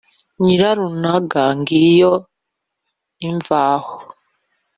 Nyirarumaga ngiyo imvaho,